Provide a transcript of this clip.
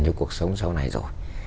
cho cuộc sống sau này rồi